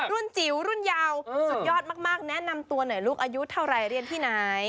รุ่นจิ๋วรุ่นยาวสุดยอดมากแนะนำตัวหน่อยลูกอายุเท่าไหร่เรียนที่ไหน